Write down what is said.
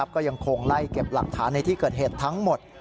ก็ยังคงไล่เก็บหลักฐานในที่เกิดเหตุทั้งหมด